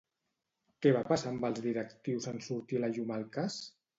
Què va passar amb els directius en sortir a la llum el cas?